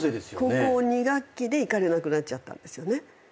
高校２学期で行かれなくなっちゃったんですよね。